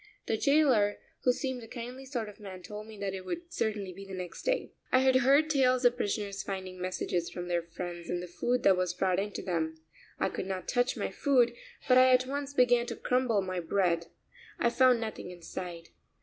The jailer, who seemed a kindly sort of man, told me that it would certainly be the next day. I had heard tales of prisoners finding messages from their friends in the food that was brought in to them. I could not touch my food, but I at once began to crumble my bread. I found nothing inside.